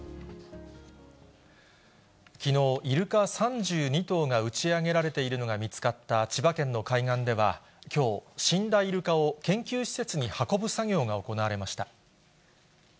きのう、イルカ３２頭が打ち上げられているのが見つかった千葉県の海岸では、きょう、死んだイルカを研究施設に運ぶ作業が行われました。